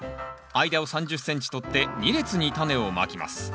間を３０ｃｍ取って２列にタネをまきます。